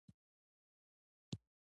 افغانستان کې د ښارونو په اړه زده کړه کېږي.